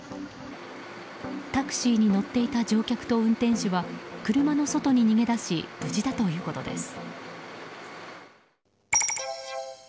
タクシーに乗っていた乗客と運転手は車の外に逃げ出し無事だということです。